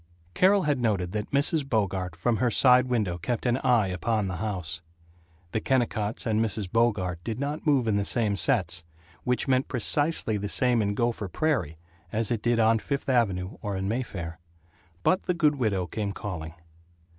Carol had noted that Mrs. Bogart from her side window kept an eye upon the house. The Kennicotts and Mrs. Bogart did not move in the same sets which meant precisely the same in Gopher Prairie as it did on Fifth Avenue or in Mayfair. But the good widow came calling.